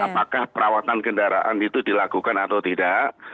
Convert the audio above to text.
apakah perawatan kendaraan itu dilakukan atau tidak